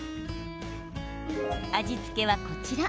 味付けは、こちら。